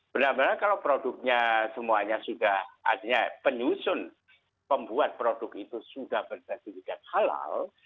benar benar kalau produknya semuanya sudah artinya penyusun pembuat produk itu sudah bersertifikat halal